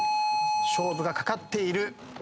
勝負がかかっている。